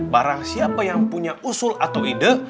barang siapa yang punya usul atau ide